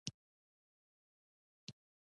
که چېرې تاسې په فعاله توګه بل ته غوږ شئ نو: